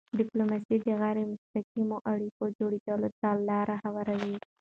ډیپلوماسي د غیری مستقیمو اړیکو جوړېدو ته لاره هواروي.